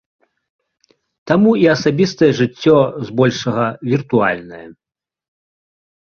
Таму і асабістае жыццё, збольшага, віртуальнае.